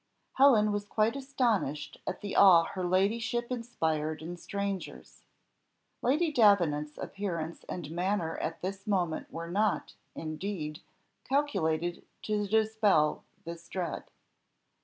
Helen was quite astonished at the awe her ladyship inspired in strangers. Lady Davenant's appearance and manner at this moment were not, indeed, calculated to dispel this dread.